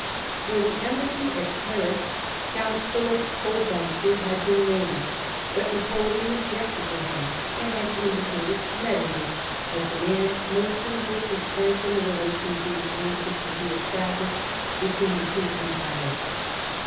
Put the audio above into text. For the embassy at Paris, Count Philip Cobenzl had been named, but Napoleon objected to him, and had indicated Metternich as the man most suitable to strengthen the relations he was anxious to see established between the two Empires.